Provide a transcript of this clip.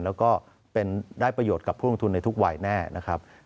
แล้วก็ได้ประโยชน์กับผู้ลงทุนในทุกวัยแน่นะครับ